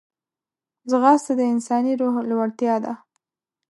ځغاسته د انساني روح لوړتیا ده